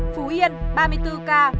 phú yên ba mươi tám ca